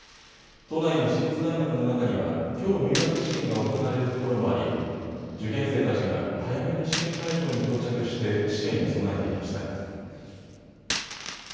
都内の私立大学の中にはきょう入学試験が行われるところもあり受験生たちが早めに試験会場に到着して試験に備えていました。